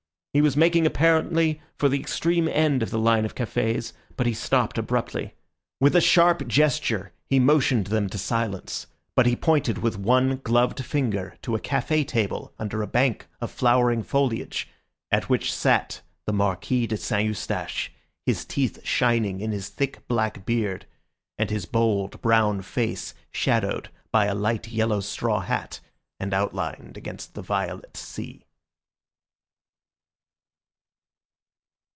He was making apparently for the extreme end of the line of cafés, but he stopped abruptly. With a sharp gesture he motioned them to silence, but he pointed with one gloved finger to a café table under a bank of flowering foliage at which sat the Marquis de St. Eustache, his teeth shining in his thick, black beard, and his bold, brown face shadowed by a light yellow straw hat and outlined against the violet sea.